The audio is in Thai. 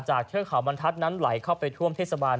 จากเครือขาวบันทัศน์นั้นไหลเข้าไปท่วมเทศบาล